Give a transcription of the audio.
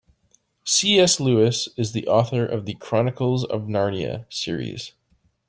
C.S. Lewis is the author of The Chronicles of Narnia series.